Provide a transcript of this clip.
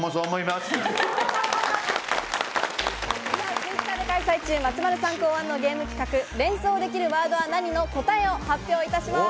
Ｔｗｉｔｔｅｒで開催中、松丸さん考案のゲーム企画「連想できるワードは何！？」の答えを発表いたします。